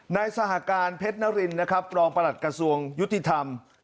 นายสหการเพศนรินปลองประหลัดกระทรวงยุติธรรม